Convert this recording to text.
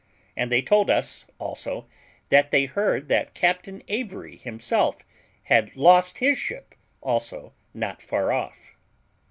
And they told us, also, that they heard that Captain Avery himself had lost his ship also not far off.